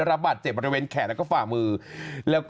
ระบัดเจ็บบริเวณแขนและฝ่ามือ